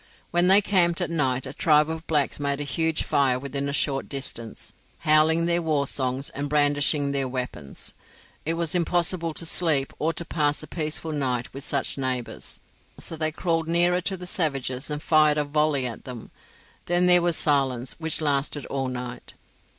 When they camped at night a tribe of blacks made a huge fire within a short distance, howling their war songs, and brandishing their weapons. It was impossible to sleep or to pass a peaceful night with such neighbours, so they crawled nearer to the savages and fired a volley at them. Then there was silence, which lasted all night.